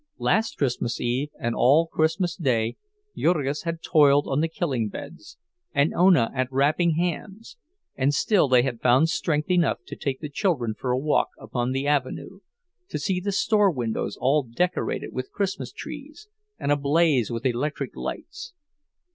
Last Christmas Eve and all Christmas Day Jurgis had toiled on the killing beds, and Ona at wrapping hams, and still they had found strength enough to take the children for a walk upon the avenue, to see the store windows all decorated with Christmas trees and ablaze with electric lights.